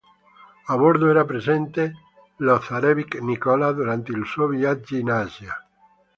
A bordo era presente lo zarevic Nicola, durante il suo viaggio in Asia.